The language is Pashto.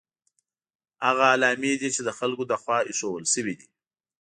هغه علامې دي چې د خلکو له خوا ایښودل شوي دي.